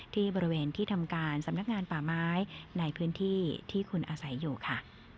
ที่บริเวณที่ทำการสำนักงานป่าไม้ในพื้นที่ที่คุณอาศัยอยู่ค่ะ